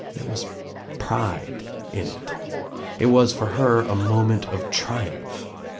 There was pride in it. It was for her a moment of triumph.